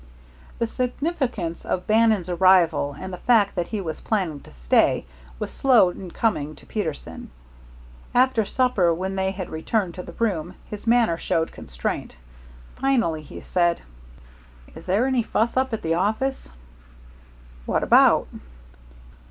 The significance of Bannon's arrival, and the fact that he was planning to stay, was slow in coming to Peterson. After supper, when they had returned to the room, his manner showed constraint. Finally he said: "Is there any fuss up at the office?" "What about?"